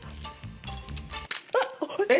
あっ！